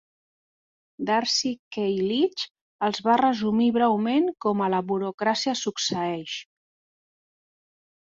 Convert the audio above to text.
Darcy K. Leach els va resumir breument com a "la burocràcia succeeix".